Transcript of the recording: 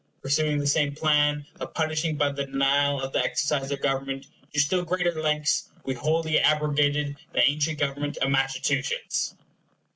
Pursuing the same plan of punishing by the denial of the exercise of government to still greater lengths, we wholly abrogated the ancient government of Massachusetts.